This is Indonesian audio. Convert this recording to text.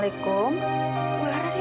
apa itu berbahaya